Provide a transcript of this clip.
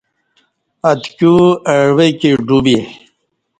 اتکیو اہ عوہ کی ڈو بے